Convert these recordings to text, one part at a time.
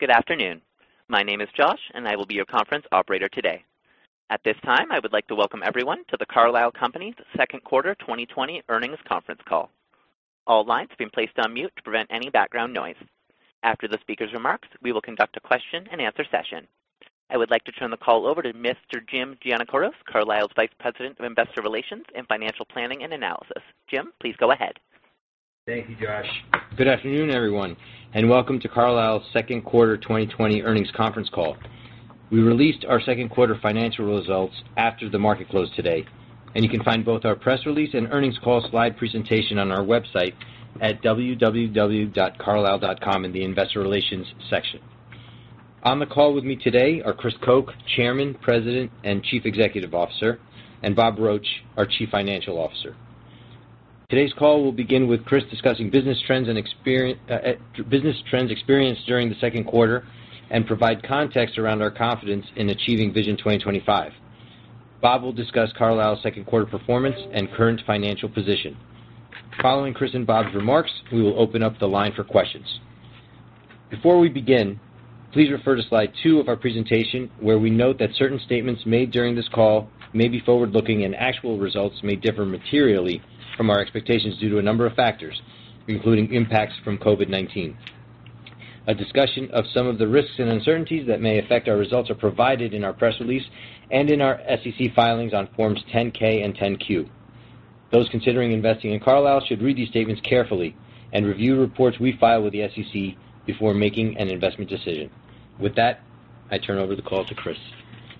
Good afternoon. My name is Josh, and I will be your conference operator today. At this time, I would like to welcome everyone to the Carlisle Companies' Second Quarter 2020 Earnings Conference Call. All lines have been placed on mute to prevent any background noise. After the speakers' remarks, we will conduct a question-and-answer session. I would like to turn the call over to Mr. Jim Giannakouros, Carlisle's Vice President of Investor Relations and Financial Planning and Analysis. Jim, please go ahead. Thank you, Josh. Good afternoon, everyone, and welcome to Carlisle's second quarter 2020 earnings conference call. We released our second quarter financial results after the market closed today, and you can find both our press release and earnings call slide presentation on our website at www.carlisle.com in the Investor Relations section. On the call with me today are Chris Koch, Chairman, President, and Chief Executive Officer; and Bob Roche, our Chief Financial Officer. Today's call will begin with Chris discussing business trends experienced during the second quarter and provide context around our confidence in achieving Vision 2025. Bob will discuss Carlisle's second quarter performance and current financial position. Following Chris and Bob's remarks, we will open up the line for questions. Before we begin, please refer to slide two of our presentation where we note that certain statements made during this call may be forward-looking, and actual results may differ materially from our expectations due to a number of factors, including impacts from COVID-19. A discussion of some of the risks and uncertainties that may affect our results is provided in our press release and in our SEC filings on Forms 10-K and 10-Q. Those considering investing in Carlisle should read these statements carefully and review reports we filed with the SEC before making an investment decision. With that, I turn over the call to Chris.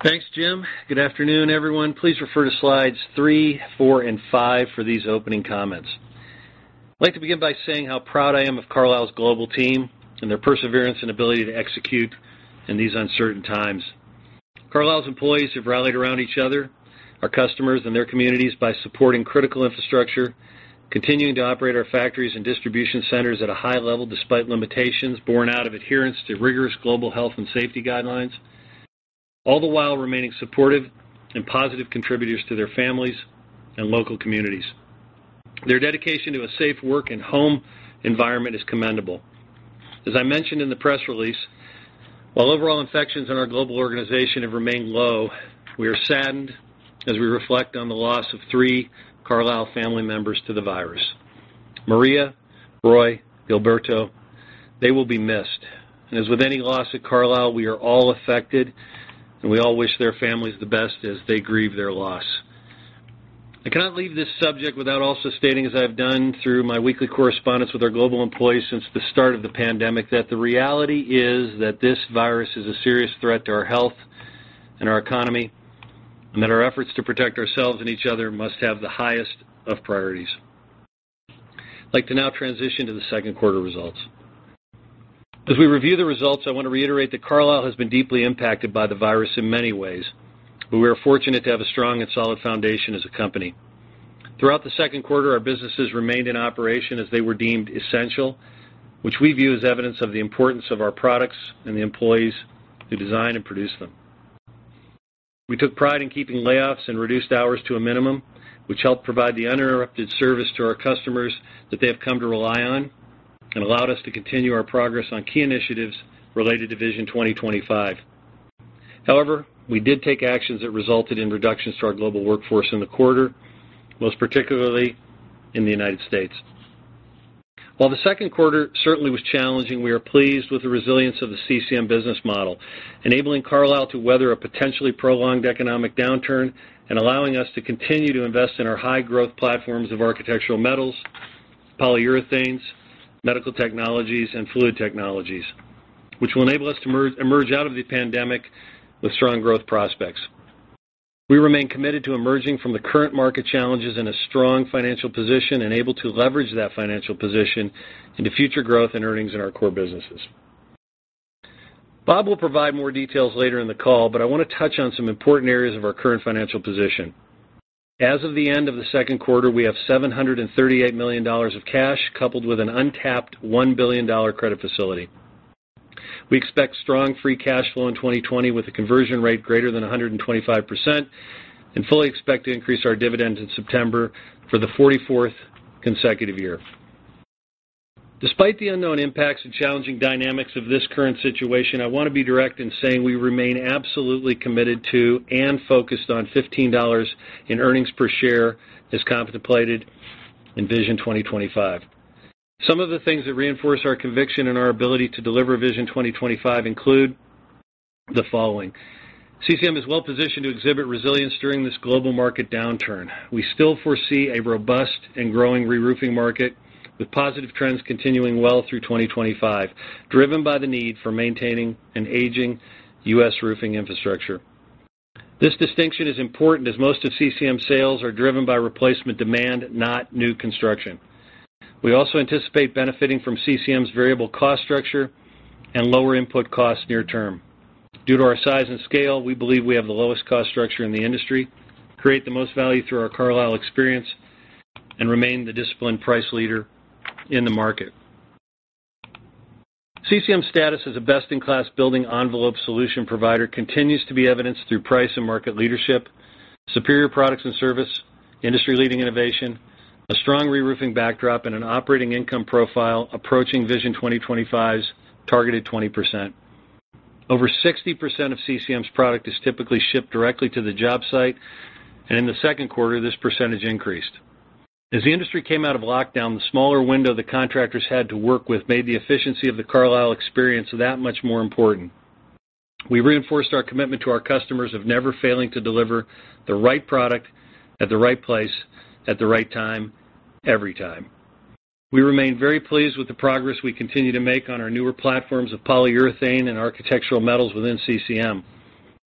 Thanks, Jim. Good afternoon, everyone. Please refer to slides three, four, and five for these opening comments. I'd like to begin by saying how proud I am of Carlisle's global team and their perseverance and ability to execute in these uncertain times. Carlisle's employees have rallied around each other, our customers, and their communities by supporting critical infrastructure, continuing to operate our factories and distribution centers at a high level despite limitations borne out of adherence to rigorous global health and safety guidelines, all the while remaining supportive and positive contributors to their families and local communities. Their dedication to a safe work and home environment is commendable. As I mentioned in the press release, while overall infections in our global organization have remained low, we are saddened as we reflect on the loss of three Carlisle family members to the virus: Maria, Roy, and Gilberto. They will be missed. And as with any loss at Carlisle, we are all affected, and we all wish their families the best as they grieve their loss. I cannot leave this subject without also stating, as I have done through my weekly correspondence with our global employees since the start of the pandemic, that the reality is that this virus is a serious threat to our health and our economy, and that our efforts to protect ourselves and each other must have the highest of priorities. I'd like to now transition to the second quarter results. As we review the results, I want to reiterate that Carlisle has been deeply impacted by the virus in many ways, but we are fortunate to have a strong and solid foundation as a company. Throughout the second quarter, our businesses remained in operation as they were deemed essential, which we view as evidence of the importance of our products and the employees who design and produce them. We took pride in keeping layoffs and reduced hours to a minimum, which helped provide the uninterrupted service to our customers that they have come to rely on, and allowed us to continue our progress on key initiatives related to Vision 2025. However, we did take actions that resulted in reductions to our global workforce in the quarter, most particularly in the United States. While the second quarter certainly was challenging, we are pleased with the resilience of the CCM business model, enabling Carlisle to weather a potentially prolonged economic downturn, and allowing us to continue to invest in our high-growth platforms of architectural metals, polyurethanes, medical technologies, and fluid technologies, which will enable us to emerge out of the pandemic with strong growth prospects. We remain committed to emerging from the current market challenges in a strong financial position and able to leverage that financial position into future growth and earnings in our core businesses. Bob will provide more details later in the call, but I want to touch on some important areas of our current financial position. As of the end of the second quarter, we have $738 million of cash coupled with an untapped $1 billion credit facility. We expect strong free cash flow in 2020 with a conversion rate greater than 125%, and fully expect to increase our dividend in September for the 44th consecutive year. Despite the unknown impacts and challenging dynamics of this current situation, I want to be direct in saying we remain absolutely committed to and focused on $15 in earnings per share as contemplated in Vision 2025. Some of the things that reinforce our conviction in our ability to deliver Vision 2025 include the following: CCM is well positioned to exhibit resilience during this global market downturn. We still foresee a robust and growing reroofing market with positive trends continuing well through 2025, driven by the need for maintaining an aging U.S. roofing infrastructure. This distinction is important as most of CCM's sales are driven by replacement demand, not new construction. We also anticipate benefiting from CCM's variable cost structure and lower input costs near term. Due to our size and scale, we believe we have the lowest cost structure in the industry, create the most value through our Carlisle experience, and remain the disciplined price leader in the market. CCM's status as a best-in-class building envelope solution provider continues to be evidenced through price and market leadership, superior products and service, industry-leading innovation, a strong reroofing backdrop, and an operating income profile approaching Vision 2025's targeted 20%. Over 60% of CCM's product is typically shipped directly to the job site, and in the second quarter, this percentage increased. As the industry came out of lockdown, the smaller window the contractors had to work with made the efficiency of the Carlisle experience that much more important. We reinforced our commitment to our customers of never failing to deliver the right product at the right place at the right time every time. We remain very pleased with the progress we continue to make on our newer platforms of polyurethane and architectural metals within CCM.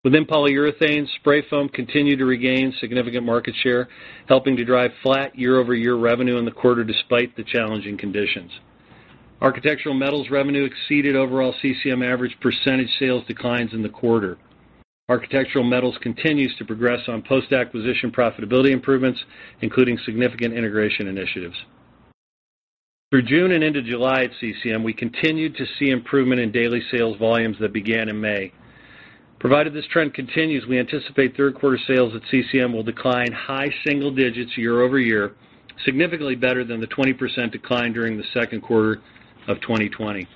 Within polyurethane, spray foam continued to regain significant market share, helping to drive flat year-over-year revenue in the quarter despite the challenging conditions. Architectural metals revenue exceeded overall CCM average percentage sales declines in the quarter. Architectural metals continues to progress on post-acquisition profitability improvements, including significant integration initiatives. Through June and into July at CCM, we continued to see improvement in daily sales volumes that began in May. Provided this trend continues, we anticipate third quarter sales at CCM will decline high single digits year-over-year, significantly better than the 20% decline during the second quarter of 2020.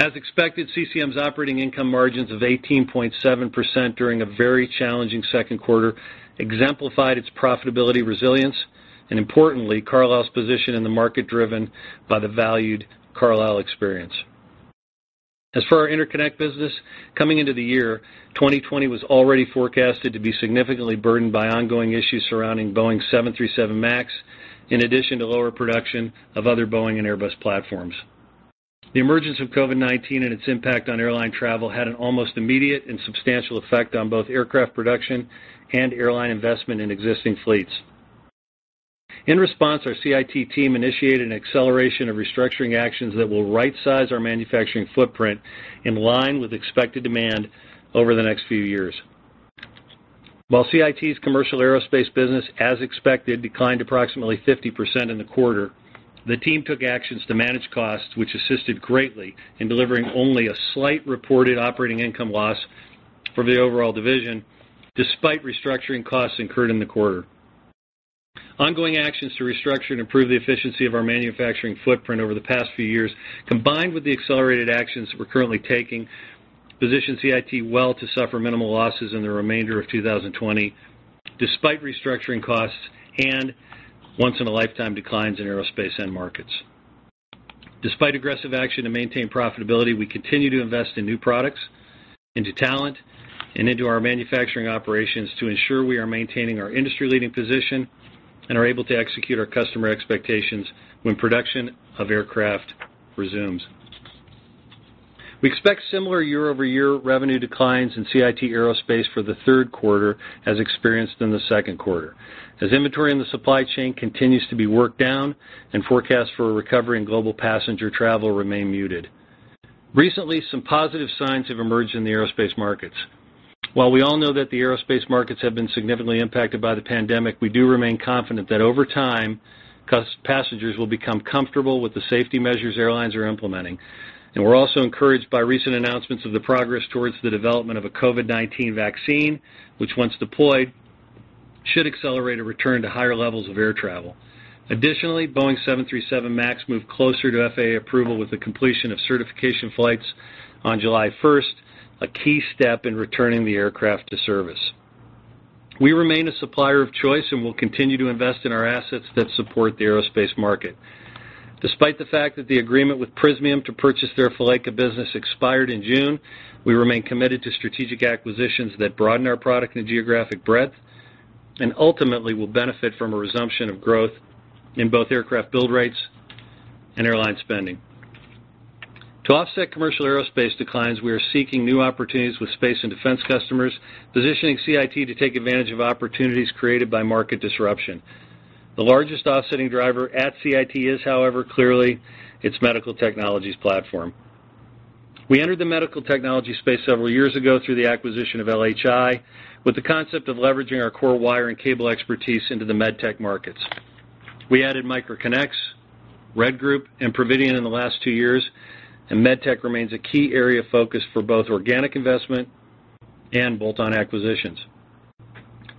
As expected, CCM's operating income margins of 18.7% during a very challenging second quarter exemplified its profitability resilience and, importantly, Carlisle's position in the market driven by the valued Carlisle experience. As for our interconnect business, coming into the year, 2020 was already forecasted to be significantly burdened by ongoing issues surrounding Boeing 737 MAX, in addition to lower production of other Boeing and Airbus platforms. The emergence of COVID-19 and its impact on airline travel had an almost immediate and substantial effect on both aircraft production and airline investment in existing fleets. In response, our CIT team initiated an acceleration of restructuring actions that will right-size our manufacturing footprint in line with expected demand over the next few years. While CIT's commercial aerospace business, as expected, declined approximately 50% in the quarter, the team took actions to manage costs, which assisted greatly in delivering only a slight reported operating income loss for the overall division despite restructuring costs incurred in the quarter. Ongoing actions to restructure and improve the efficiency of our manufacturing footprint over the past few years, combined with the accelerated actions we're currently taking, position CIT well to suffer minimal losses in the remainder of 2020 despite restructuring costs and once-in-a-lifetime declines in aerospace end markets. Despite aggressive action to maintain profitability, we continue to invest in new products, into talent, and into our manufacturing operations to ensure we are maintaining our industry-leading position and are able to execute our customer expectations when production of aircraft resumes. We expect similar year-over-year revenue declines in CIT aerospace for the third quarter as experienced in the second quarter, as inventory in the supply chain continues to be worked down, and forecasts for a recovery in global passenger travel remain muted. Recently, some positive signs have emerged in the aerospace markets. While we all know that the aerospace markets have been significantly impacted by the pandemic, we do remain confident that over time, passengers will become comfortable with the safety measures airlines are implementing. And we're also encouraged by recent announcements of the progress towards the development of a COVID-19 vaccine, which, once deployed, should accelerate a return to higher levels of air travel. Additionally, Boeing 737 MAX moved closer to FAA approval with the completion of certification flights on July 1st, a key step in returning the aircraft to service. We remain a supplier of choice, and we'll continue to invest in our assets that support the aerospace market. Despite the fact that the agreement with Prysmian to purchase their Draka Fileca business expired in June, we remain committed to strategic acquisitions that broaden our product and geographic breadth, and ultimately will benefit from a resumption of growth in both aircraft build rates and airline spending. To offset commercial aerospace declines, we are seeking new opportunities with space and defense customers, positioning CIT to take advantage of opportunities created by market disruption. The largest offsetting driver at CIT is, however, clearly its medical technologies platform. We entered the medical technology space several years ago through the acquisition of LHI, with the concept of leveraging our core wire and cable expertise into the medtech markets. We added MicroConnex, Red Group, and Providien in the last two years, and medtech remains a key area of focus for both organic investment and bolt-on acquisitions.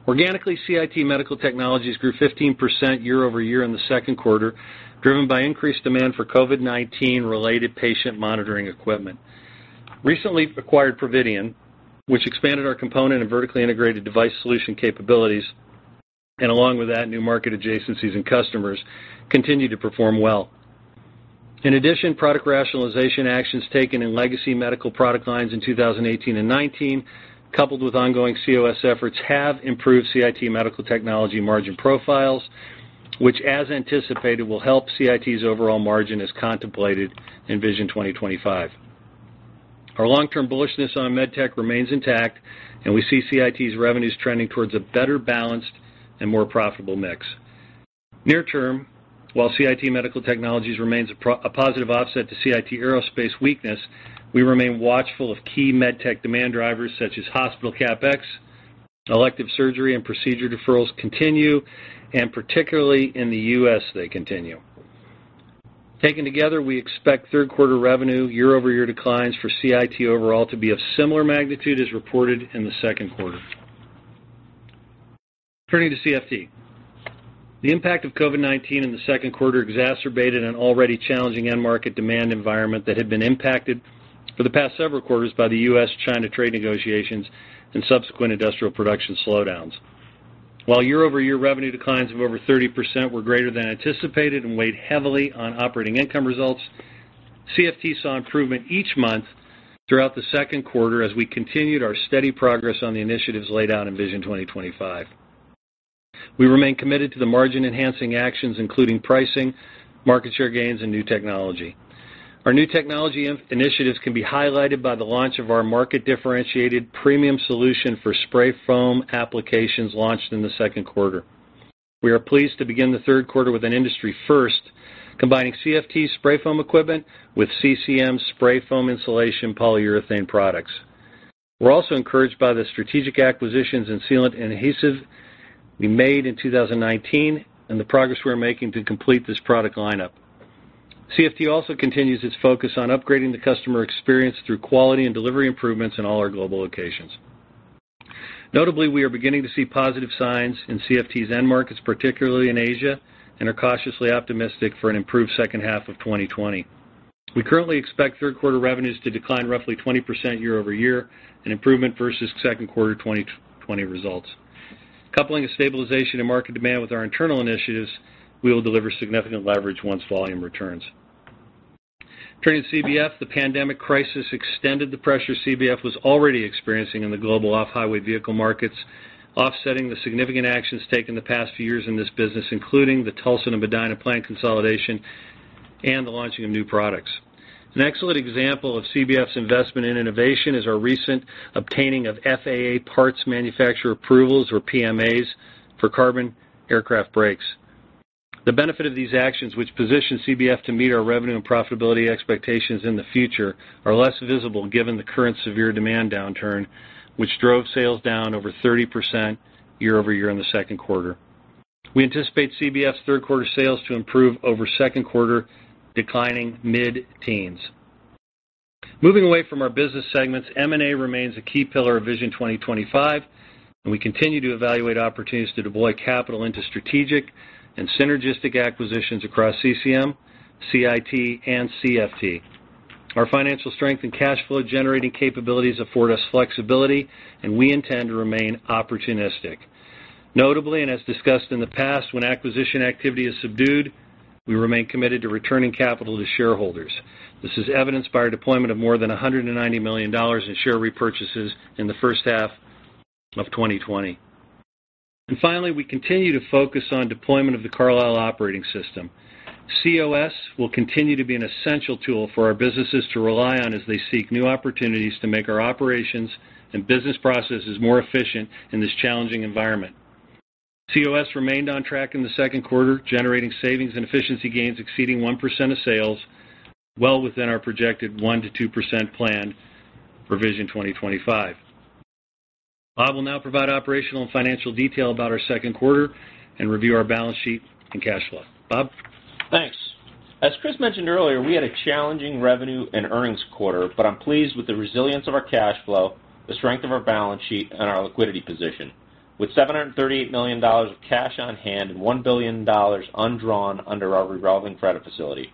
Organically, CIT medical technologies grew 15% year-over-year in the second quarter, driven by increased demand for COVID-19-related patient monitoring equipment. Recently acquired Providien, which expanded our component and vertically integrated device solution capabilities, and along with that, new market adjacencies and customers, continued to perform well. In addition, product rationalization actions taken in legacy medical product lines in 2018 and 2019, coupled with ongoing COS efforts, have improved CIT medical technology margin profiles, which, as anticipated, will help CIT's overall margin as contemplated in Vision 2025. Our long-term bullishness on medtech remains intact, and we see CIT's revenues trending towards a better balanced and more profitable mix. Near term, while CIT medical technologies remains a positive offset to CIT aerospace weakness, we remain watchful of key medtech demand drivers such as hospital CapEx, elective surgery, and procedure deferrals continue, and particularly in the U.S., they continue. Taken together, we expect third quarter revenue year-over-year declines for CIT overall to be of similar magnitude as reported in the second quarter. Turning to CFT, the impact of COVID-19 in the second quarter exacerbated an already challenging end market demand environment that had been impacted for the past several quarters by the U.S.-China trade negotiations and subsequent industrial production slowdowns. While year-over-year revenue declines of over 30% were greater than anticipated and weighed heavily on operating income results, CFT saw improvement each month throughout the second quarter as we continued our steady progress on the initiatives laid out in Vision 2025. We remain committed to the margin-enhancing actions, including pricing, market share gains, and new technology. Our new technology initiatives can be highlighted by the launch of our market-differentiated premium solution for spray foam applications launched in the second quarter. We are pleased to begin the third quarter with an industry first, combining CFT spray foam equipment with CCM spray foam insulation polyurethane products. We're also encouraged by the strategic acquisitions in sealant and adhesive we made in 2019, and the progress we're making to complete this product lineup. CFT also continues its focus on upgrading the customer experience through quality and delivery improvements in all our global locations. Notably, we are beginning to see positive signs in CFT's end markets, particularly in Asia, and are cautiously optimistic for an improved second half of 2020. We currently expect third quarter revenues to decline roughly 20% year-over-year, an improvement versus second quarter 2020 results. Coupling a stabilization in market demand with our internal initiatives, we will deliver significant leverage once volume returns. Turning to CBF, the pandemic crisis extended the pressure CBF was already experiencing in the global off-highway vehicle markets, offsetting the significant actions taken the past few years in this business, including the Tulsa and Medina plant consolidation and the launching of new products. An excellent example of CBF's investment in innovation is our recent obtaining of FAA parts manufacturer approvals, or PMAs, for carbon aircraft brakes. The benefit of these actions, which positions CBF to meet our revenue and profitability expectations in the future, are less visible given the current severe demand downturn, which drove sales down over 30% year-over-year in the second quarter. We anticipate CBF's third quarter sales to improve over second quarter, declining mid-teens. Moving away from our business segments, M&A remains a key pillar of Vision 2025, and we continue to evaluate opportunities to deploy capital into strategic and synergistic acquisitions across CCM, CIT, and CFT. Our financial strength and cash flow-generating capabilities afford us flexibility, and we intend to remain opportunistic. Notably, and as discussed in the past, when acquisition activity is subdued, we remain committed to returning capital to shareholders. This is evidenced by our deployment of more than $190 million in share repurchases in the first half of 2020. And finally, we continue to focus on deployment of the Carlisle Operating System. COS will continue to be an essential tool for our businesses to rely on as they seek new opportunities to make our operations and business processes more efficient in this challenging environment. COS remained on track in the second quarter, generating savings and efficiency gains exceeding 1% of sales, well within our projected 1% to 2% plan for Vision 2025. Bob will now provide operational and financial detail about our second quarterand review our balance sheet and cash flow. Bob? Thanks. As Chris mentioned earlier, we had a challenging revenue and earnings quarter, but I'm pleased with the resilience of our cash flow, the strength of our balance sheet, and our liquidity position, with $738 million of cash on hand and $1 billion undrawn under our revolving credit facility.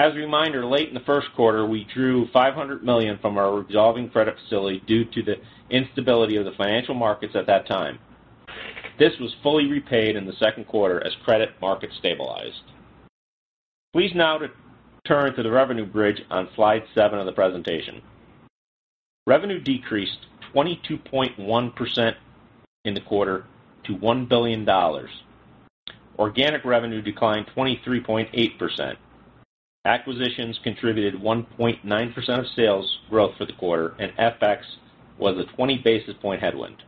As a reminder, late in the first quarter, we drew $500 million from our revolving credit facility due to the instability of the financial markets at that time. This was fully repaid in the second quarter as credit markets stabilized. Please now turn to the revenue bridge on slide seven of the presentation. Revenue decreased 22.1% in the quarter to $1 billion. Organic revenue declined 23.8%. Acquisitions contributed 1.9% of sales growth for the quarter, and FX was a 20 basis point headwind.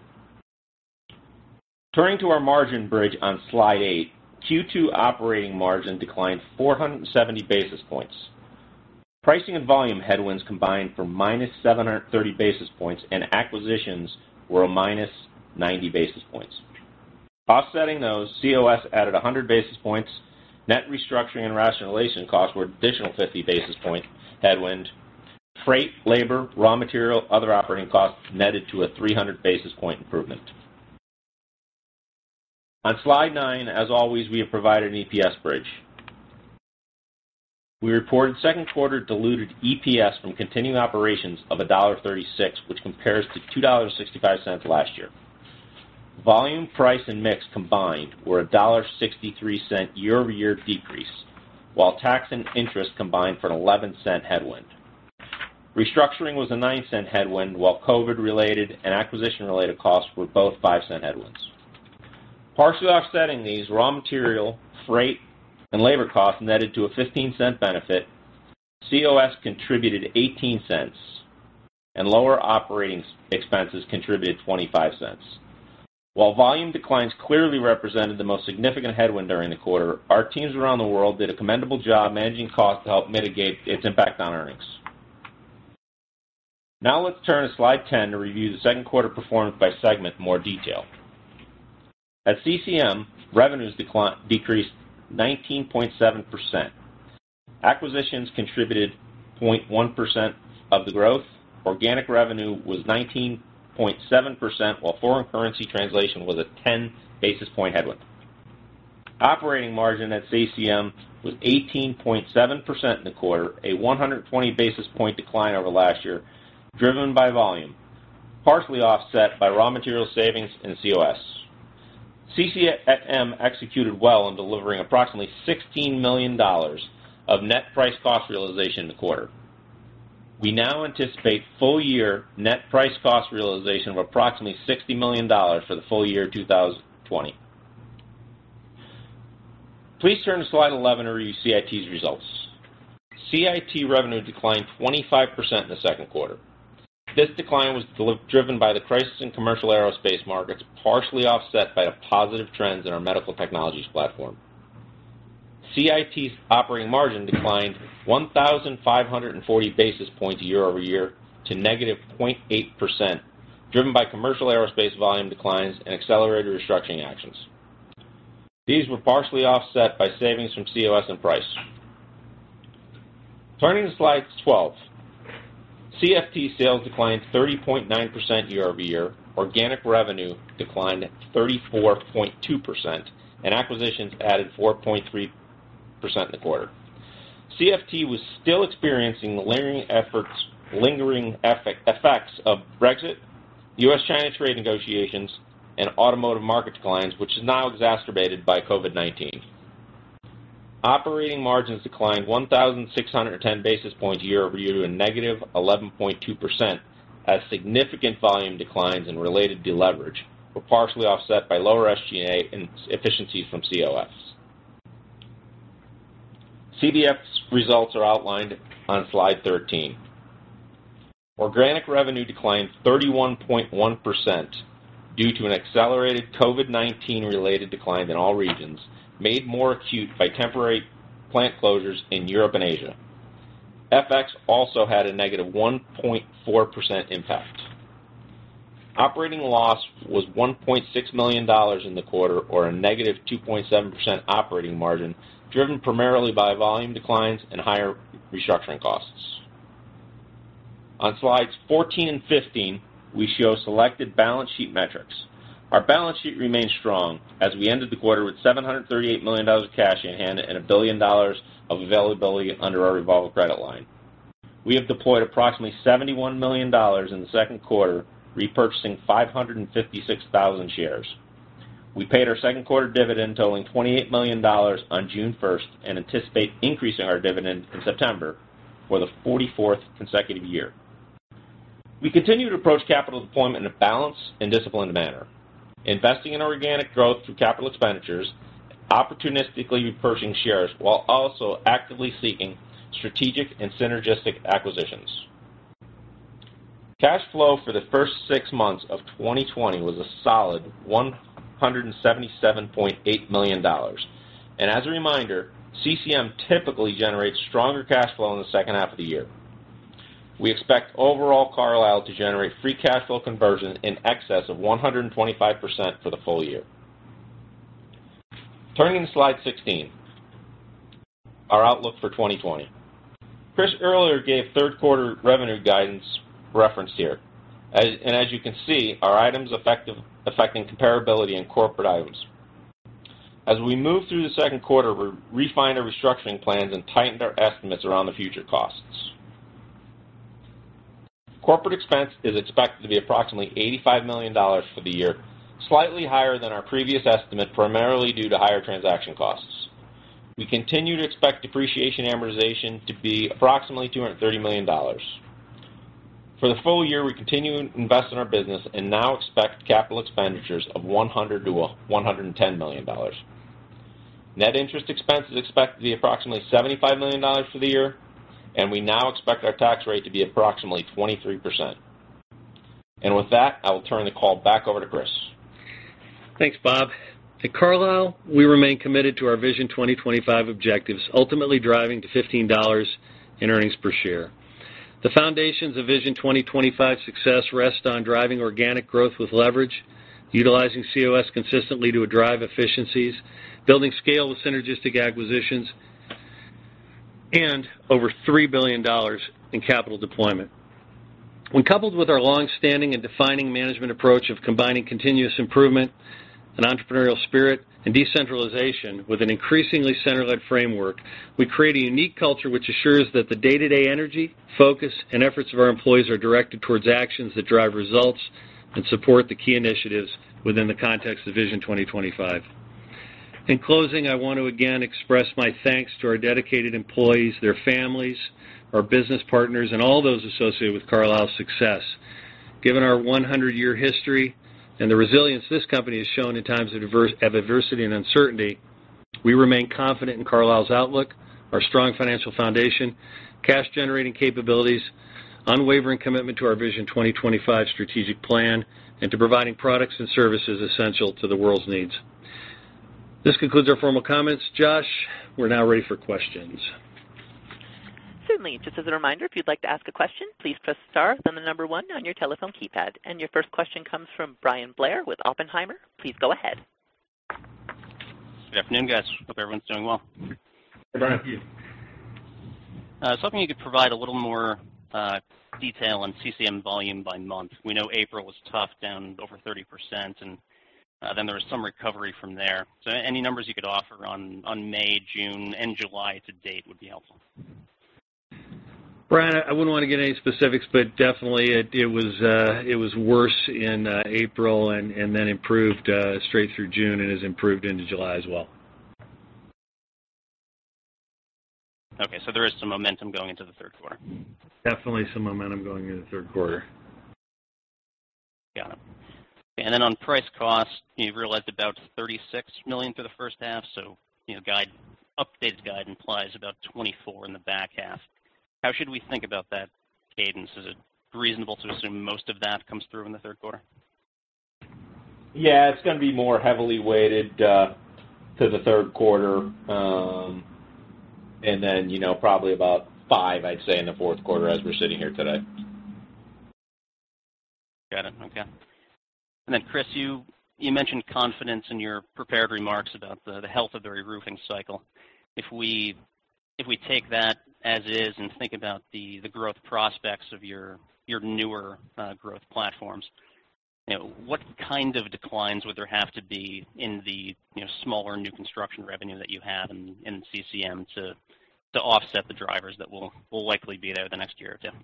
Turning to our margin bridge on slide eight, Q2 operating margin declined 470 basis points. Pricing and volume headwinds combined for minus 730 basis points, and acquisitions were a minus 90 basis points. Offsetting those, COS added 100 basis points. Net restructuring and rationalization costs were an additional 50 basis point headwind. Freight, labor, raw material, and other operating costs netted to a 300 basis point improvement. On slide nine, as always, we have provided an EPS bridge. We reported second quarter diluted EPS from continuing operations of $1.36, which compares to $2.65 last year. Volume, price, and mix combined were a $1.63 year-over-year decrease, while tax and interest combined for a $0.11 headwind. Restructuring was a $0.09 headwind, while COVID-related and acquisition-related costs were both $0.05 headwinds. Partially offsetting these, raw material, freight, and labor costs netted to a $0.15 benefit. COS contributed $0.18, and lower operating expenses contributed $0.25. While volume declines clearly represented the most significant headwind during the quarter, our teams around the world did a commendable job managing costs to help mitigate its impact on earnings. Now let's turn to slide 10 to review the second quarter performance by segment in more detail. At CCM, revenues decreased 19.7%. Acquisitions contributed 0.1% of the growth. Organic revenue was 19.7%, while foreign currency translation was a 10 basis points headwind. Operating margin at CCM was 18.7% in the quarter, a 120 basis point decline over last year, driven by volume, partially offset by raw material savings and COS. CCM executed well in delivering approximately $16 million of net price cost realization in the quarter. We now anticipate full-year net price cost realization of approximately $60 million for the full year 2020. Please turn to slide 11 to review CIT's results. CIT revenue declined 25% in the second quarter. This decline was driven by the crisis in commercial aerospace markets, partially offset by positive trends in our medical technologies platform. CIT's operating margin declined 1,540 basis points year-over-year to negative 0.8%, driven by commercial aerospace volume declines and accelerated restructuring actions. These were partially offset by savings from COS and price. Turning to slide 12, CFT sales declined 30.9% year-over-year. Organic revenue declined 34.2%, and acquisitions added 4.3% in the quarter. CFT was still experiencing the lingering effects of Brexit, U.S.-China trade negotiations, and automotive market declines, which is now exacerbated by COVID-19. Operating margins declined 1,610 basis points year-over-year to a negative 11.2% as significant volume declines and related deleverage were partially offset by lower SG&A and efficiencies from COS. CBF's results are outlined on slide 13. Organic revenue declined 31.1% due to an accelerated COVID-19-related decline in all regions, made more acute by temporary plant closures in Europe and Asia. FX also had a negative 1.4% impact. Operating loss was $1.6 million in the quarter, or a negative 2.7% operating margin, driven primarily by volume declines and higher restructuring costs. On slides 14 and 15, we show selected balance sheet metrics. Our balance sheet remains strong as we ended the quarter with $738 million of cash in hand and $1 billion of availability under our revolver credit line. We have deployed approximately $71 million in the second quarter, repurchasing 556,000 shares. We paid our second quarter dividend totaling $28 million on June 1st, and anticipate increasing our dividend in September for the 44th consecutive year. We continue to approach capital deployment in a balanced and disciplined manner, investing in organic growth through capital expenditures, opportunistically repurchasing shares, while also actively seeking strategic and synergistic acquisitions. Cash flow for the first six months of 2020 was a solid $177.8 million, and as a reminder, CCM typically generates stronger cash flow in the second half of the year. We expect overall Carlisle to generate free cash flow conversion in excess of 125% for the full year. Turning to slide 16, our outlook for 2020. Chris earlier gave third quarter revenue guidance reference here. And as you can see, our items affecting comparability and corporate items. As we move through the second quarter, we refined our restructuring plans and tightened our estimates around the future costs. Corporate expense is expected to be approximately $85 million for the year, slightly higher than our previous estimate, primarily due to higher transaction costs. We continue to expect depreciation amortization to be approximately $230 million. For the full year, we continue to invest in our business and now expect capital expenditures of $100 million-$110 million. Net interest expense is expected to be approximately $75 million for the year, and we now expect our tax rate to be approximately 23%. And with that, I will turn the call back over to Chris. Thanks, Bob. At Carlisle, we remain committed to our Vision 2025 objectives, ultimately driving to $15 in earnings per share. The foundations of Vision 2025 success rest on driving organic growth with leverage, utilizing COS consistently to drive efficiencies, building scale with synergistic acquisitions, and over $3 billion in capital deployment. When coupled with our longstanding and defining management approach of combining continuous improvement and entrepreneurial spirit and decentralization with an increasingly center-led framework, we create a unique culture which assures that the day-to-day energy, focus, and efforts of our employees are directed towards actions that drive results and support the key initiatives within the context of Vision 2025. In closing, I want to again express my thanks to our dedicated employees, their families, our business partners, and all those associated with Carlisle's success. Given our 100-year history and the resilience this company has shown in times of adversity and uncertainty, we remain confident in Carlisle's outlook, our strong financial foundation, cash-generating capabilities, unwavering commitment to our Vision 2025 strategic plan, and to providing products and services essential to the world's needs. This concludes our formal comments. Josh, we're now ready for questions. Certainly. Just as a reminder, if you'd like to ask a question, please press star then the number one on your telephone keypad. And your first question comes from Bryan Blair with Oppenheimer. Please go ahead. Good afternoon, guys. Hope everyone's doing well. Hey, Bryan. How are you? I was hoping you could provide a little more detail on CCM volume by month. We know April was tough, down over 30%, and then there was some recovery from there. So any numbers you could offer on May, June, and July to date would be helpful. Bryan, I wouldn't want to get any specifics, but definitely it was worse in April and then improved straight through June, and has improved into July as well. Okay. So there is some momentum going into the third quarter. Definitely some momentum going into the third quarter. Got it. And then on price cost, you've realized about $36 million for the first half. So updated guide implies about $24 in the back half. How should we think about that cadence? Is it reasonable to assume most of that comes through in the third quarter? Yeah. It's going to be more heavily weighted to the third quarter. And then probably about $5, I'd say, in the fourth quarter as we're sitting here today. Got it. Okay. And then, Chris, you mentioned confidence in your prepared remarks about the health of the roofing cycle. If we take that as is and think about the growth prospects of your newer growth platforms, what kind of declines would there have to be in the smaller new construction revenue that you have in CCM to offset the drivers that will likely be there the next year or two?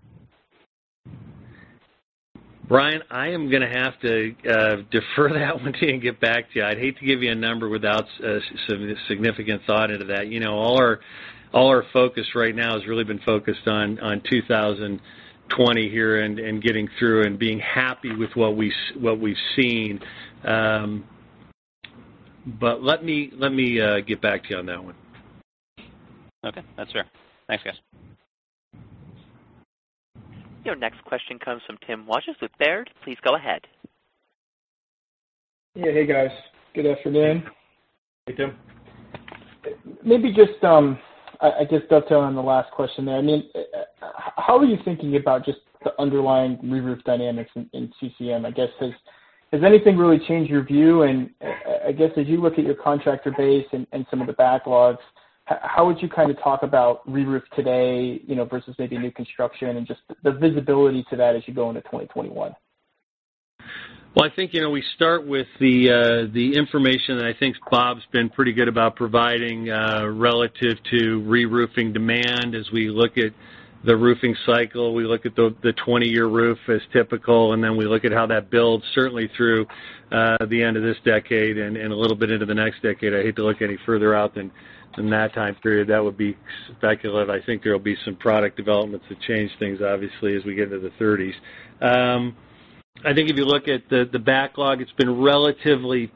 Bryan, I am going to have to defer that one to you and get back to you. I'd hate to give you a number without some significant thought into that. All our focus right now has really been focused on 2020 here and getting through and being happy with what we've seen. But let me get back to you on that one. Okay. That's fair. Thanks, guys. Your next question comes from Tim Wojs with Baird. Please go ahead. Yeah. Hey, guys. Good afternoon. Hey, Tim. Maybe just I guess dovetail on the last question there. I mean, how are you thinking about just the underlying re-roof dynamics in CCM? I guess has anything really changed your view? And, I guess, as you look at your contractor base and some of the backlogs, how would you kind of talk about re-roof today versus maybe new construction and just the visibility to that as you go into 2021? Well, I think we start with the information that I think Bob's been pretty good about providing relative to re-roofing demand as we look at the roofing cycle. We look at the 20-year roof as typical, and then we look at how that builds certainly through the end of this decade and a little bit into the next decade. I hate to look any further out than that time period. That would be speculative. I think there will be some product developments that change things, obviously, as we get into the 30s. I think if you look at the backlog, it's been relatively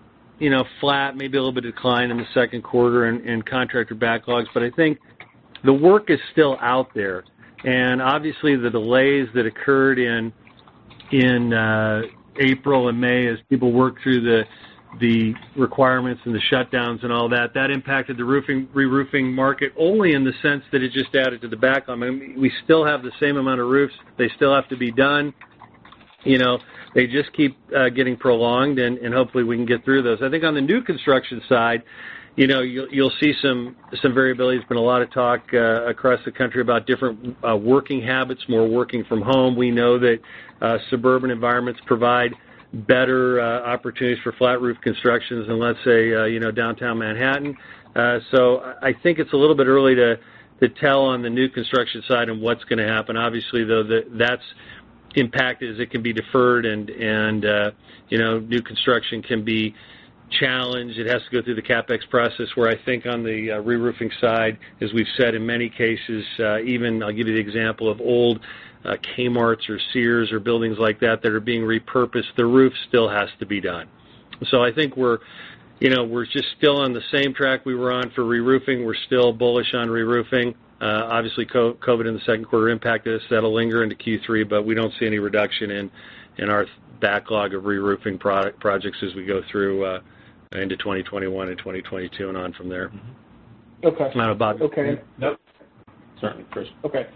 flat, maybe a little bit of decline in the second quarter in contractor backlogs. But I think the work is still out there. And obviously, the delays that occurred in April and May as people worked through the requirements and the shutdowns and all that, that impacted the re-roofing market only in the sense that it just added to the backlog. I mean, we still have the same amount of roofs. They still have to be done. They just keep getting prolonged, and hopefully, we can get through those. I think on the new construction side, you'll see some variability. There's been a lot of talk across the country about different working habits, more working from home. We know that suburban environments provide better opportunities for flat roof constructions than, let's say, downtown Manhattan, so I think it's a little bit early to tell on the new construction side and what's going to happen. Obviously, though, that's impacted as it can be deferred, and new construction can be challenged, it has to go through the CapEx process, where I think on the re-roofing side, as we've said in many cases, even, I'll give you the example of old Kmart or Sears or buildings like that that are being repurposed, the roof still has to be done, so I think we're just still on the same track we were on for re-roofing, we're still bullish on re-roofing. Obviously, COVID in the second quarter impacted us. That'll linger into Q3, but we don't see any reduction in our backlog of re-roofing projects as we go through into 2021 and 2022 and on from there. It's not a bottleneck. Okay. Nope. Certainly, Chris. Okay.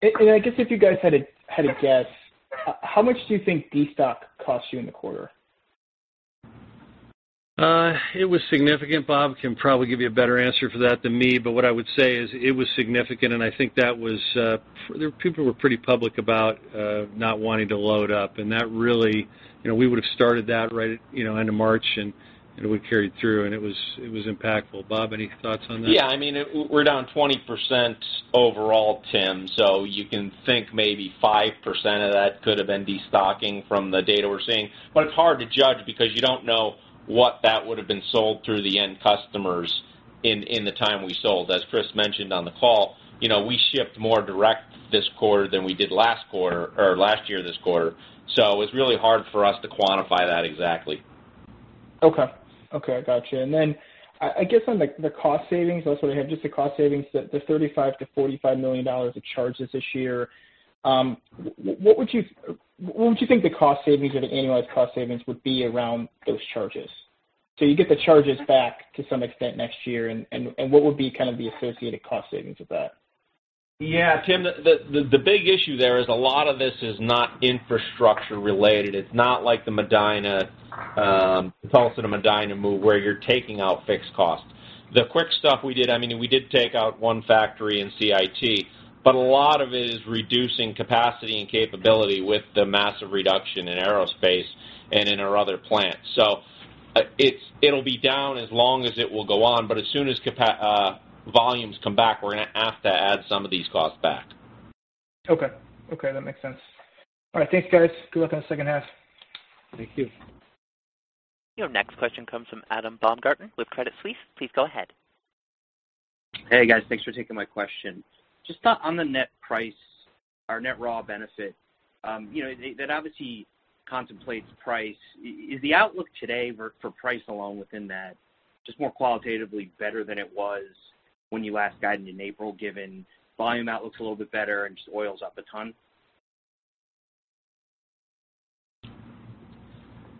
And I guess if you guys had a guess, how much do you think destock cost you in the quarter? It was significant. Bob can probably give you a better answer for that than me. But what I would say is it was significant, and I think that was, people were pretty public about not wanting to load up. And that really, we would have started that right at the end of March, and we carried through, and it was impactful. Bob, any thoughts on that? Yeah. I mean, we're down 20% overall, Tim. So you can think maybe 5% of that could have been destocking from the data we're seeing. But it's hard to judge because you don't know what that would have been sold through the end customers in the time we sold. As Chris mentioned on the call, we shipped more direct this quarter than we did last quarter or last year this quarter. So it was really hard for us to quantify that exactly. Okay. Okay. I gotcha. And then I guess on the cost savings, also we have just the cost savings, the $35 million-$45 million in charges this year. What would you think the cost savings or the annualized cost savings would be around those charges? So you get the charges back to some extent next year, and what would be kind of the associated cost savings of that? Yeah. Tim, the big issue there is a lot of this is not infrastructure related. It's not like the Medina, the Tulsa to Medina move where you're taking out fixed costs. The quick stuff we did, I mean, we did take out one factory in CIT, but a lot of it is reducing capacity and capability with the massive reduction in aerospace and in our other plants. So it'll be down as long as it will go on. But as soon as volumes come back, we're going to have to add some of these costs back. Okay. Okay. That makes sense. All right. Thanks, guys. Good luck on the second half. Thank you. Your next question comes from Adam Baumgarten with Credit Suisse. Please go ahead. Hey, guys. Thanks for taking my question. Just on the net price, our net raw benefit, that obviously contemplates price. Is the outlook today for price along within that, just more qualitatively better than it was when you last guided in April, given volume outlooks a little bit better and just oil's up a ton?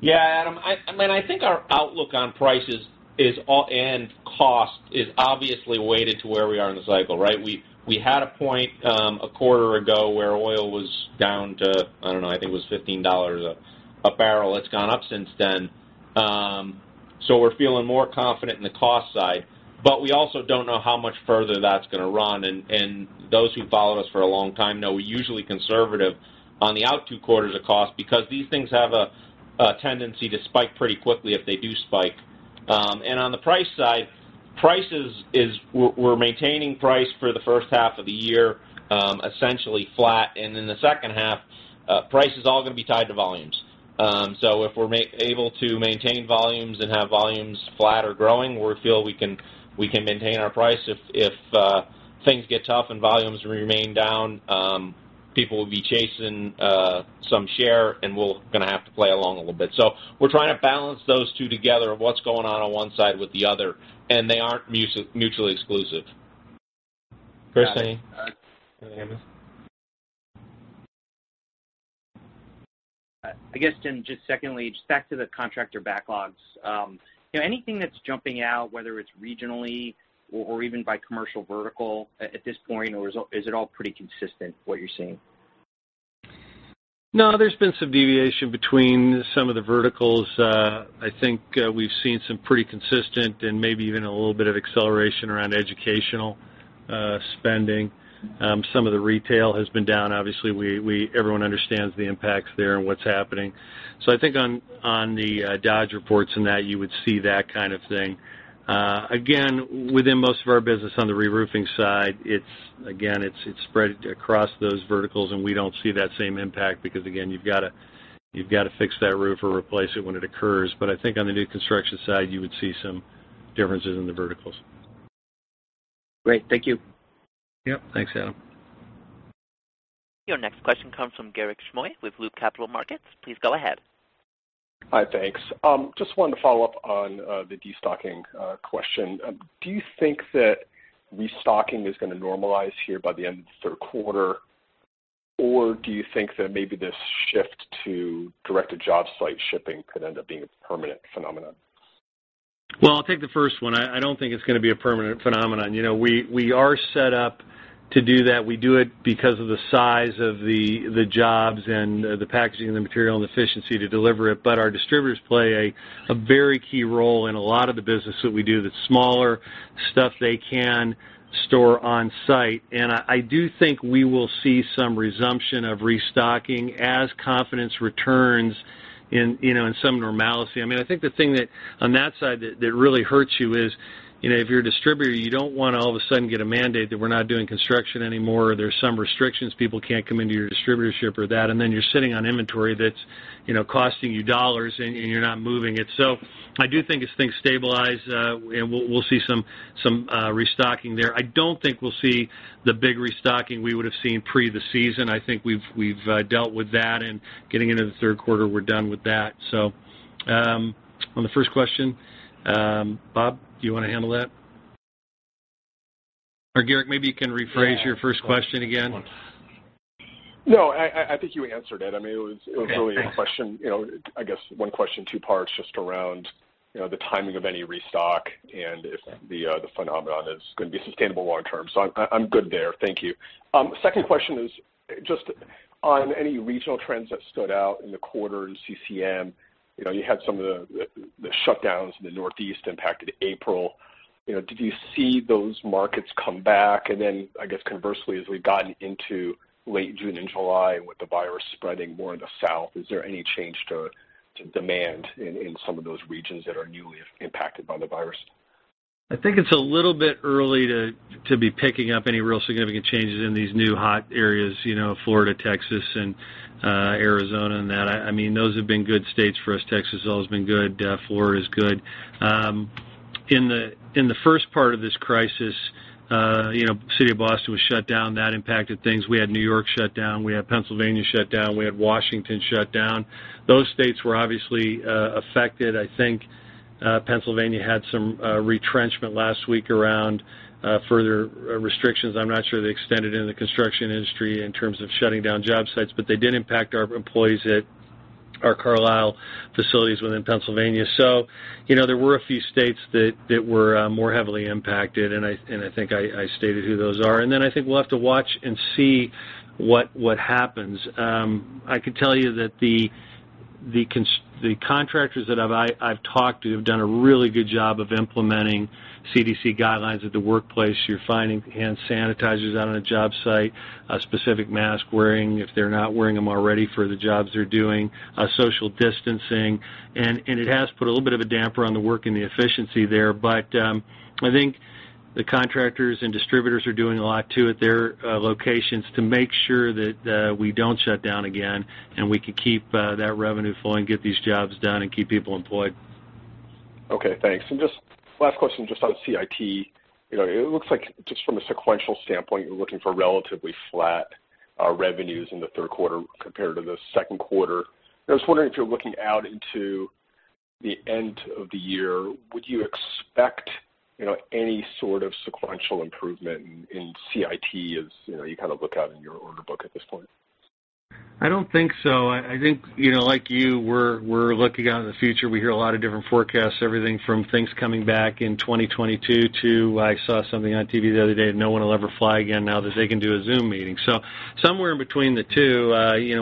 Yeah, Adam. I mean, I think our outlook on prices and cost is obviously weighted to where we are in the cycle, right? We had a point a quarter ago where oil was down to, I don't know, I think it was $15 a barrel. It's gone up since then. So we're feeling more confident in the cost side. But we also don't know how much further that's going to run. And those who've followed us for a long time know we're usually conservative on the out two quarters of cost because these things have a tendency to spike pretty quickly if they do spike. On the price side, we're maintaining price for the first half of the year essentially flat. In the second half, price is all going to be tied to volumes. So if we're able to maintain volumes and have volumes flat or growing, we feel we can maintain our price. If things get tough and volumes remain down, people will be chasing some share, and we're going to have to play along a little bit. So we're trying to balance those two together of what's going on on one side with the other, and they aren't mutually exclusive. Chris, any, any comments? I guess, then, just secondly, just back to the contractor backlogs. Anything that's jumping out, whether it's regionally or even by commercial vertical at this point, or is it all pretty consistent what you're seeing? No, there's been some deviation between some of the verticals. I think we've seen some pretty consistent and maybe even a little bit of acceleration around educational spending. Some of the retail has been down. Obviously, everyone understands the impacts there and what's happening. So I think on the Dodge reports and that, you would see that kind of thing. Again, within most of our business on the re-roofing side, again, it's spread across those verticals, and we don't see that same impact because, again, you've got to fix that roof or replace it when it occurs. But I think on the new construction side, you would see some differences in the verticals. Great. Thank you. Yep. Thanks, Adam. Your next question comes from Garik Shmois with Loop Capital Markets. Please go ahead. Hi. Thanks. Just wanted to follow up on the destocking question. Do you think that restocking is going to normalize here by the end of the third quarter, or do you think that maybe this shift to direct-to-job site shipping could end up being a permanent phenomenon? Well, I'll take the first one. I don't think it's going to be a permanent phenomenon. We are set up to do that. We do it because of the size of the jobs and the packaging and the material and the efficiency to deliver it. But our distributors play a very key role in a lot of the business that we do. The smaller stuff, they can store on-site. And I do think we will see some resumption of restocking as confidence returns in some normality. I mean, I think the thing that on that side that really hurts you is if you're a distributor, you don't want to all of a sudden get a mandate that we're not doing construction anymore or there's some restrictions, people can't come into your distributorship or that, and then you're sitting on inventory that's costing you dollars and you're not moving it. So I do think as things stabilize and we'll see some restocking there, I don't think we'll see the big restocking we would have seen pre the season. I think we've dealt with that, and getting into the third quarter, we're done with that. So, on the first question, Bob, do you want to handle that? Or Garik, maybe you can rephrase your first question again. No. I think you answered it. I mean, it was really a question, I guess, one question, two parts just around the timing of any restock and if the phenomenon is going to be sustainable long term. So I'm good there. Thank you. Second question is just on any regional trends that stood out in the quarter in CCM. You had some of the shutdowns in the Northeast impacted April. Did you see those markets come back? And then I guess conversely, as we've gotten into late June and July with the virus spreading more in the South, is there any change to demand in some of those regions that are newly impacted by the virus? I think it's a little bit early to be picking up any real significant changes in these new hot areas, Florida, Texas, and Arizona and that. I mean, those have been good states for us. Texas has always been good. Florida is good. In the first part of this crisis, the city of Boston was shut down. That impacted things. We had New York shut down. We had Pennsylvania shut down. We had Washington shut down. Those states were obviously affected. I think Pennsylvania had some retrenchment last week around further restrictions. I'm not sure they extended into the construction industry in terms of shutting down job sites, but they did impact our employees at our Carlisle facilities within Pennsylvania. So there were a few states that were more heavily impacted, and I think I stated who those are. And then I think we'll have to watch and see what happens. I can tell you that the contractors that I've talked to have done a really good job of implementing CDC guidelines at the workplace. You're finding hand sanitizers out on the job site, specific mask wearing if they're not wearing them already for the jobs they're doing, social distancing. And it has put a little bit of a damper on the work and the efficiency there. But I think the contractors and distributors are doing a lot too at their locations to make sure that we don't shut down again and we can keep that revenue flowing, get these jobs done, and keep people employed. Okay. Thanks. And just last question just on CIT. It looks like just from a sequential standpoint, you're looking for relatively flat revenues in the third quarter compared to the second quarter. I was wondering if you're looking out into the end of the year, would you expect any sort of sequential improvement in CIT as you kind of look out in your order book at this point? I don't think so. I think like you, we're looking out in the future. We hear a lot of different forecasts, everything from things coming back in 2022 to I saw something on TV the other day, and no one will ever fly again now that they can do a Zoom meeting, so somewhere in between the two,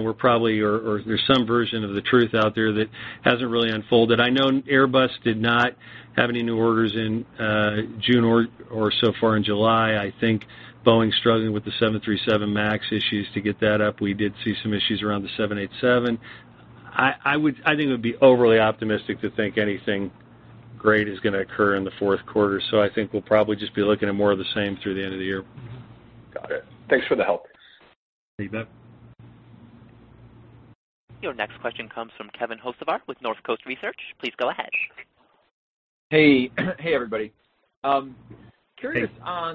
we're probably or there's some version of the truth out there that hasn't really unfolded. I know Airbus did not have any new orders in June or so far in July. I think Boeing's struggling with the 737 MAX issues to get that up. We did see some issues around the 787. I think it would be overly optimistic to think anything great is going to occur in the fourth quarter, so I think we'll probably just be looking at more of the same through the end of the year. Got it. Thanks for the help. Your next question comes from Kevin Hocevar with North Coast Research. Please go ahead. Hey. Hey, everybody. I'm curious. I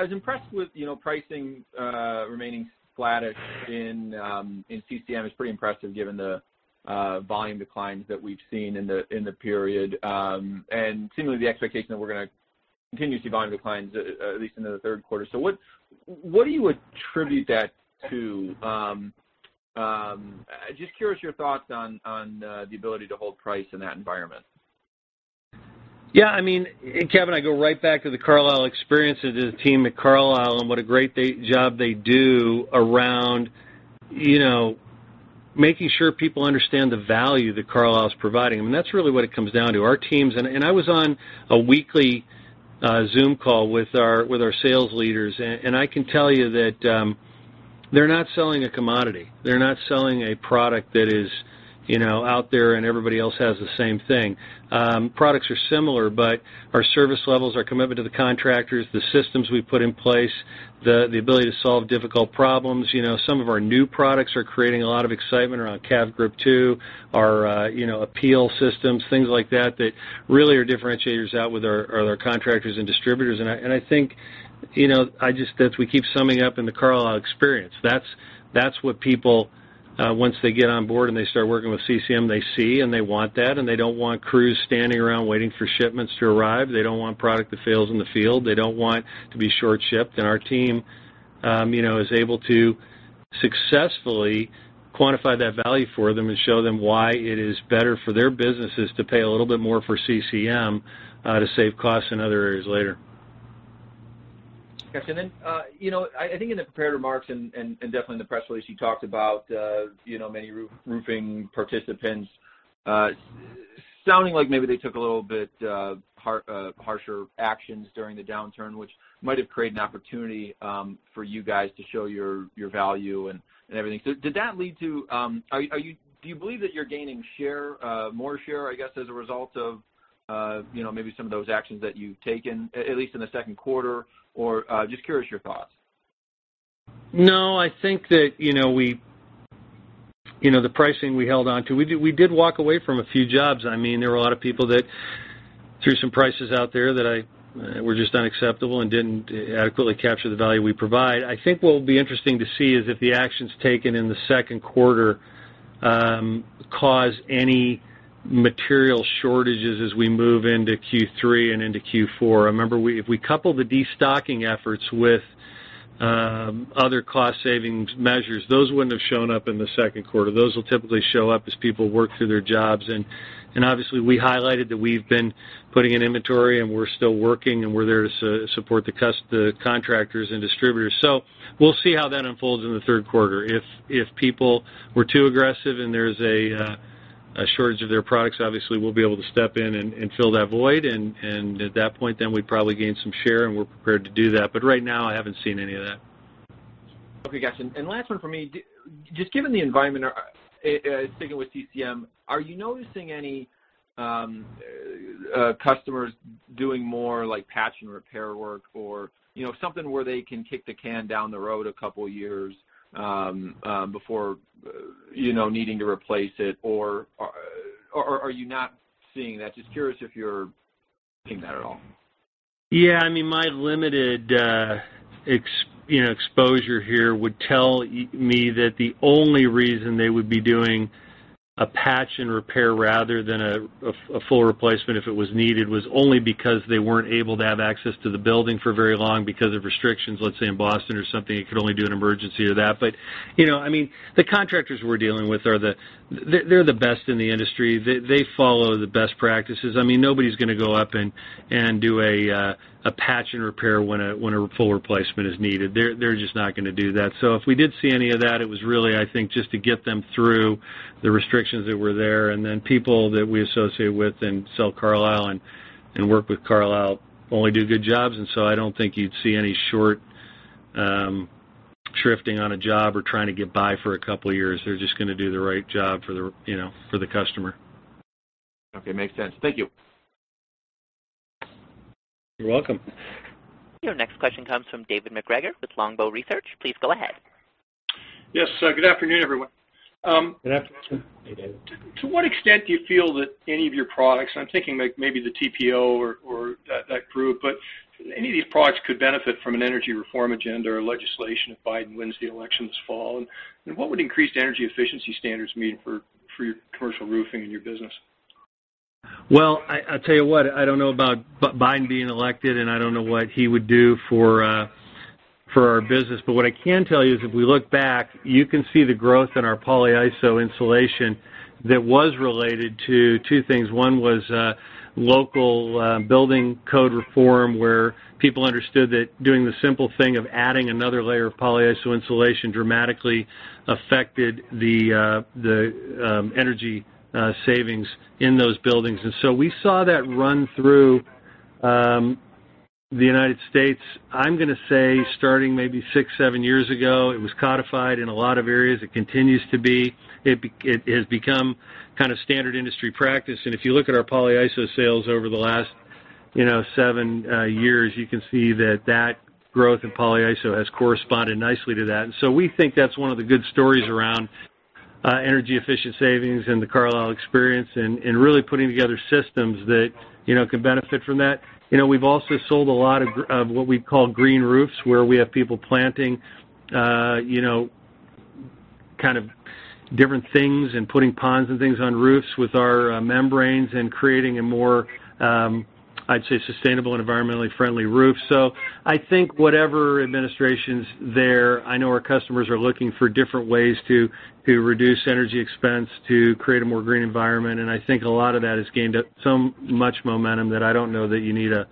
was impressed with pricing remaining flatish in CCM. It's pretty impressive given the volume declines that we've seen in the period, and seemingly the expectation that we're going to continue to see volume declines, at least into the third quarter. So what do you attribute that to? Just curious, your thoughts on the ability to hold price in that environment. Yeah. I mean, Kevin, I go right back to the Carlisle experience as a team at Carlisle and what a great job they do around making sure people understand the value that Carlisle is providing. I mean, that's really what it comes down to. Our teams and I was on a weekly Zoom call with our sales leaders, and I can tell you that they're not selling a commodity. They're not selling a product that is out there and everybody else has the same thing. Products are similar, but our service levels, our commitment to the contractors, the systems we put in place, the ability to solve difficult problems. Some of our new products are creating a lot of excitement around CAV-GRIP too, our peel systems, things like that that really are differentiators out with our contractors and distributors. And I think I just that we keep summing up in the Carlisle experience. That's what people, once they get on board and they start working with CCM, they see and they want that. And they don't want crews standing around waiting for shipments to arrive. They don't want product that fails in the field. They don't want to be short-shipped. And our team is able to successfully quantify that value for them and show them why it is better for their businesses to pay a little bit more for CCM to save costs in other areas later. Gotcha. And then I think in the prepared remarks and definitely in the press release, you talked about many roofing participants sounding like maybe they took a little bit harsher actions during the downturn, which might have created an opportunity for you guys to show your value and everything. So did that lead to, do you believe, that you're gaining more share, I guess, as a result of maybe some of those actions that you've taken, at least in the second quarter? Or, just curious, your thoughts. No. I think that with the pricing we held on to, we did walk away from a few jobs. I mean, there were a lot of people that threw some prices out there that were just unacceptable and didn't adequately capture the value we provide. I think what will be interesting to see is if the actions taken in the second quarter cause any material shortages as we move into Q3 and into Q4. I remember if we couple the destocking efforts with other cost-savings measures, those wouldn't have shown up in the second quarter. Those will typically show up as people work through their jobs, and obviously, we highlighted that we've been putting in inventory and we're still working and we're there to support the contractors and distributors, so we'll see how that unfolds in the third quarter. If people were too aggressive and there's a shortage of their products, obviously, we'll be able to step in and fill that void. And at that point, then we probably gain some share and we're prepared to do that. But right now, I haven't seen any of that. Okay. Gotcha. And last one for me. Just given the environment sticking with CCM, are you noticing any customers doing more patch and repair work or something where they can kick the can down the road a couple of years before needing to replace it? Or are you not seeing that? Just curious if you're seeing that at all. Yeah. I mean, my limited exposure here would tell me that the only reason they would be doing a patch and repair rather than a full replacement if it was needed was only because they weren't able to have access to the building for very long because of restrictions, let's say, in Boston or something. It could only do an emergency or that. But I mean, the contractors we're dealing with are the best in the industry. They follow the best practices. I mean, nobody's going to go up and do a patch and repair when a full replacement is needed. They're just not going to do that. So if we did see any of that, it was really, I think, just to get them through the restrictions that were there. And then people that we associate with and sell Carlisle and work with Carlisle only do good jobs. And so I don't think you'd see any short-shrifting on a job or trying to get by for a couple of years. They're just going to do the right job for the customer. Okay. Makes sense. Thank you. You're welcome. Your next question comes from David MacGregor with Longbow Research. Please go ahead. Yes. Good afternoon, everyone. Good afternoon. Hey, David. To what extent do you feel that any of your products, and I'm thinking maybe the TPO or that group, but any of these products could benefit from an energy reform agenda or legislation if Biden wins the election this fall? And what would increased energy efficiency standards mean for your commercial roofing and your business? Well, I'll tell you what. I don't know about Biden being elected, and I don't know what he would do for our business. But what I can tell you is if we look back, you can see the growth in our polyiso insulation that was related to two things. One was local building code reform where people understood that doing the simple thing of adding another layer of polyiso insulation dramatically affected the energy savings in those buildings. And so we saw that run through the United States. I'm going to say starting maybe six, seven years ago, it was codified in a lot of areas. It continues to be. It has become kind of standard industry practice, and if you look at our polyiso sales over the last seven years, you can see that that growth in polyiso has corresponded nicely to that, so we think that's one of the good stories around energy efficient savings and the Carlisle experience and really putting together systems that can benefit from that. We've also sold a lot of what we call green roofs where we have people planting kind of different things and putting ponds and things on roofs with our membranes and creating a more, I'd say, sustainable and environmentally friendly roof, so I think whatever administration's there, I know our customers are looking for different ways to reduce energy expense to create a more green environment. I think a lot of that has gained so much momentum that I don't know that you need a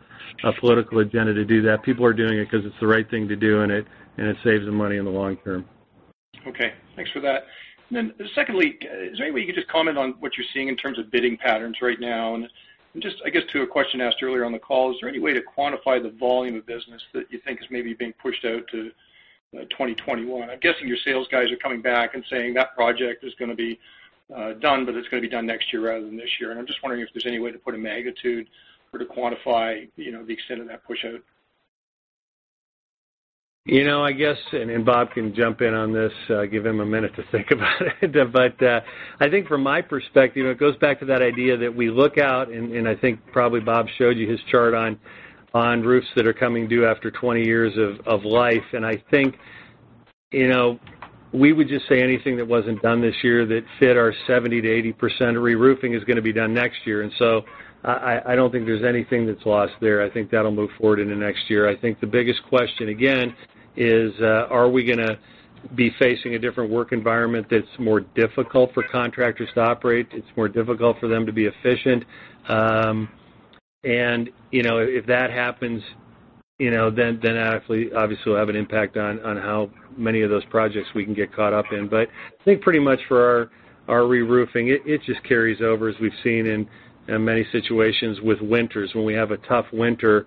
political agenda to do that. People are doing it because it's the right thing to do, and it saves them money in the long term. Okay. Thanks for that. And then secondly, is there any way you could just comment on what you're seeing in terms of bidding patterns right now? And just, I guess, to a question asked earlier on the call, is there any way to quantify the volume of business that you think is maybe being pushed out to 2021? I'm guessing your sales guys are coming back and saying that project is going to be done, but it's going to be done next year rather than this year. I'm just wondering if there's any way to put a magnitude or to quantify the extent of that push out. I guess, and Bob can jump in on this. Give him a minute to think about it, but I think from my perspective, it goes back to that idea that we look out, and I think probably Bob showed you his chart on roofs that are coming due after 20 years of life, and I think we would just say anything that wasn't done this year that fit our 70%-80% re-roofing is going to be done next year, so I don't think there's anything that's lost there. I think that'll move forward into next year. I think the biggest question again is, are we going to be facing a different work environment that's more difficult for contractors to operate? It's more difficult for them to be efficient. And if that happens, then that actually, obviously, will have an impact on how many of those projects we can get caught up in. But I think pretty much for our re-roofing, it just carries over as we've seen in many situations with winters. When we have a tough winter,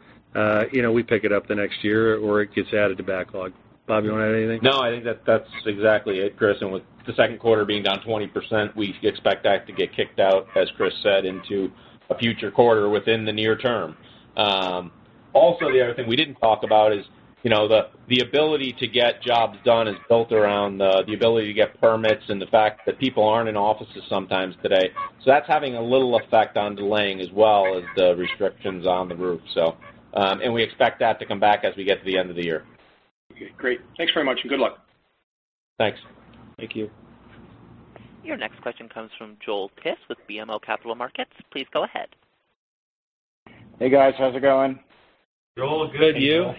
we pick it up the next year or it gets added to backlog. Bob, you want to add anything? No. I think that's exactly it, Chris. And with the second quarter being down 20%, we expect that to get kicked out, as Chris said, into a future quarter within the near term. Also, the other thing we didn't talk about is the ability to get jobs done is built around the ability to get permits and the fact that people aren't in offices sometimes today. So that's having a little effect on delaying as well as the restrictions on the roof. And we expect that to come back as we get to the end of the year. Okay. Great. Thanks very much and good luck. Thanks. Thank you. Your next question comes from Joel Tiss with BMO Capital Markets. Please go ahead. Hey, guys. How's it going? Joel, good. You?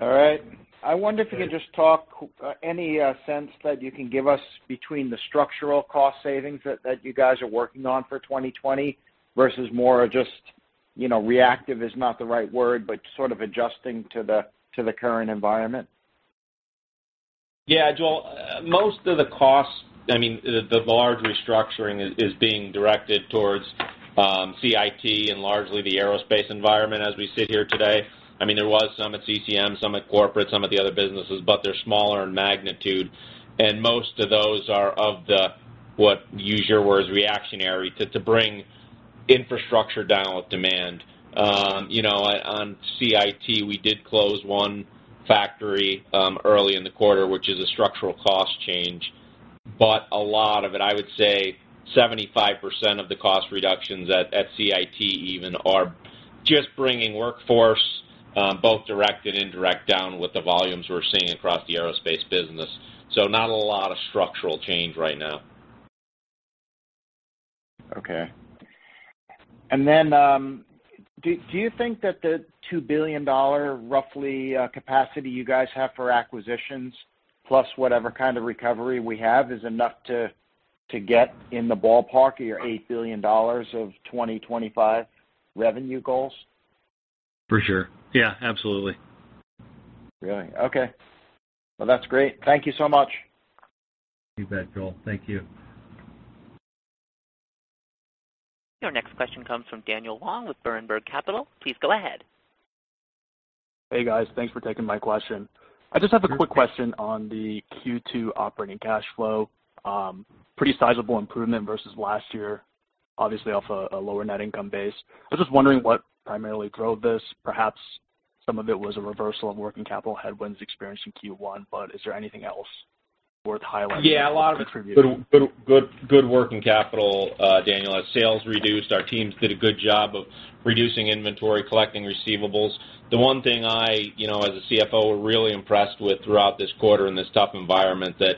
All right. I wonder if you can just talk any sense that you can give us between the structural cost savings that you guys are working on for 2020 versus more just reactive is not the right word, but sort of adjusting to the current environment? Yeah. Joel, most of the costs, I mean, the large restructuring is being directed towards CIT and largely the aerospace environment as we sit here today. I mean, there was some at CCM, some at corporate, some at the other businesses, but they're smaller in magnitude, and most of those are of the, what use your words, reactionary to bring infrastructure down with demand. On CIT, we did close one factory early in the quarter, which is a structural cost change, but a lot of it, I would say 75% of the cost reductions at CIT even are just bringing workforce, both direct and indirect, down with the volumes we're seeing across the aerospace business, so not a lot of structural change right now. Okay, and then do you think that the $2 billion roughly capacity you guys have for acquisitions plus whatever kind of recovery we have is enough to get in the ballpark of your $8 billion of 2025 revenue goals? For sure. Yeah. Absolutely. Really? Okay, well, that's great. Thank you so much. You bet, Joel. Thank you. Your next question comes from Daniel Wang with Berenberg Capital. Please go ahead. Hey, guys. Thanks for taking my question. I just have a quick question on the Q2 operating cash flow. Pretty sizable improvement versus last year, obviously off a lower net income base. I was just wondering what primarily drove this. Perhaps some of it was a reversal of working capital headwinds experienced in Q1, but is there anything else worth highlighting? Yeah. A lot of good working capital, Daniel. Our sales reduced. Our teams did a good job of reducing inventory, collecting receivables. The one thing I, as a CFO, was really impressed with throughout this quarter in this tough environment that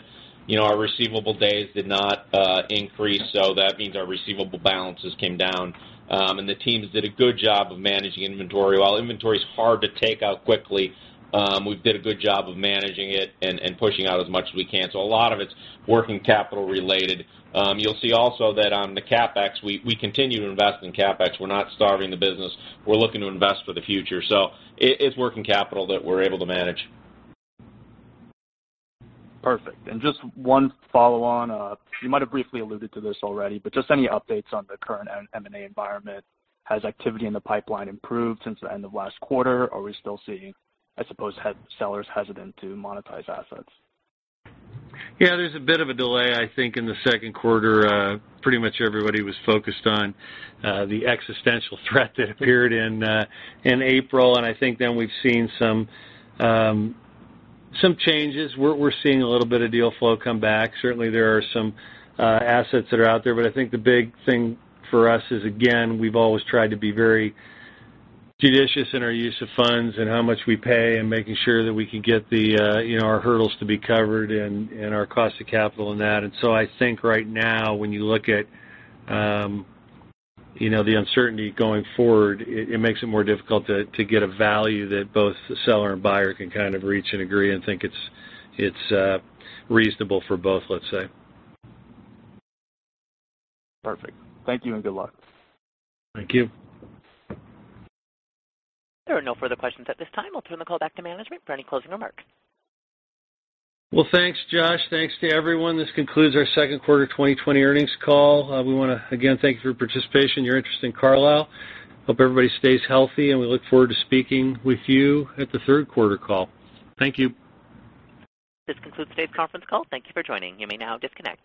our receivable days did not increase. So that means our receivable balances came down. And the teams did a good job of managing inventory. While inventory is hard to take out quickly, we did a good job of managing it and pushing out as much as we can. So a lot of it's working capital related. You'll see also that on the CapEx, we continue to invest in CapEx. We're not starving the business. We're looking to invest for the future. So it's working capital that we're able to manage. Perfect. And just one follow-on. You might have briefly alluded to this already, but just any updates on the current M&A environment? Has activity in the pipeline improved since the end of last quarter, or are we still seeing, I suppose, sellers hesitant to monetize assets? Yeah. There's a bit of a delay, I think, in the second quarter. Pretty much everybody was focused on the existential threat that appeared in April. And I think then we've seen some changes. We're seeing a little bit of deal flow come back. Certainly, there are some assets that are out there. But I think the big thing for us is, again, we've always tried to be very judicious in our use of funds and how much we pay and making sure that we can get our hurdles to be covered and our cost of capital and that. And so I think right now, when you look at the uncertainty going forward, it makes it more difficult to get a value that both the seller and buyer can kind of reach and agree and think it's reasonable for both, let's say. Perfect. Thank you, and good luck. Thank you. There are no further questions at this time. I'll turn the call back to management for any closing remarks. Thanks, Josh. Thanks to everyone. This concludes our second quarter 2020 earnings call. We want to, again, thank you for your participation, your interest in Carlisle. Hope everybody stays healthy, and we look forward to speaking with you at the third quarter call. Thank you. This concludes today's conference call. Thank you for joining. You may now disconnect.